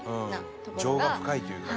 情が深いというかね。